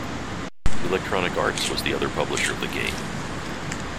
Electronic Arts was the other publisher of the game.